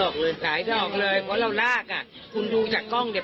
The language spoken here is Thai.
คือเราก็ลากคุณดูจากกล้องเนี่ย